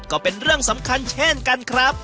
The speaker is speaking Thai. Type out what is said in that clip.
ก็เป็นเรื่องสำคัญเช่นกันครับ